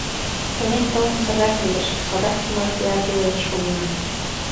— Илен-толын, садак лиеш, садак тумартеат илен шуына.